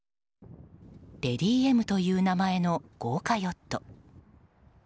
「レディＭ」という名前の豪華ヨット。